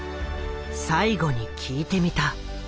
最後に聞いてみた。